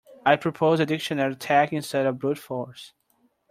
I'd propose a dictionary attack instead of brute force.